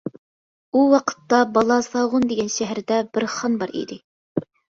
ئۇ ۋاقىتتا بالاساغۇن دېگەن شەھەردە بىر خان بار ئىدى.